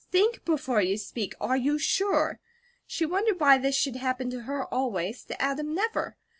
THINK before you speak! Are you SURE?" she wondered why this should happen to her always, to Adam never.